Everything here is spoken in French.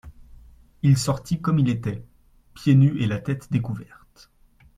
Il sortit comme il était, pieds nus et la tête découverte.